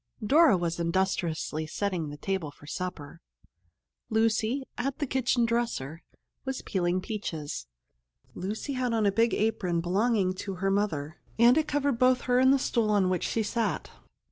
Dora was industriously setting the table for supper. Lucy, at the kitchen dresser, was peeling peaches. Lucy had on a big apron belonging to her mother, and it covered both her and the stool on which she sat.